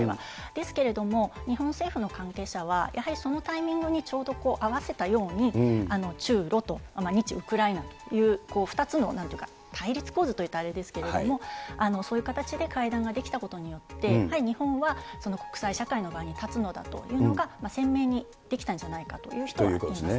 ですけれども、日本政府の関係者は、やはりそのタイミングにちょうど合わせたように、中ロと日ウクライナという２つの対立構図と言うとあれですけれども、そういう形で会談ができたことによって、やはり日本は国際社会の場に立つのだというのが、鮮明にできたんじゃないかという人はいます。